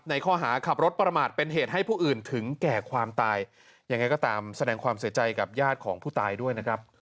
ข้อหาขับรถประมาทเป็นเหตุให้ผู้อื่นถึงแก่ความตายยังไงก็ตามแสดงความเสียใจกับญาติของผู้ตายด้วยนะครับ